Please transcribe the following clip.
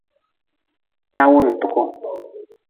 Tawu n tuku.